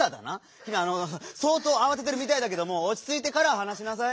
きみそうとうあわててるみたいだけどもおちついてからはなしなさい。